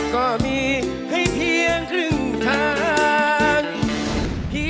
ก็มีให้เพียงครึ่งทาง